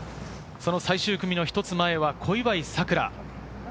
最終組の一つ前は小祝さくら。